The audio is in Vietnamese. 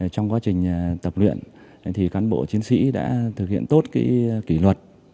trong quá trình tập luyện cán bộ chiến sĩ đã thực hiện tốt kỷ luật